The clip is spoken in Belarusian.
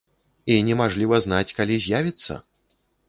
І немажліва знаць, калі з'явіцца?